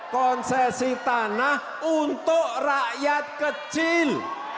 konsesi tanah untuk rakyat kecil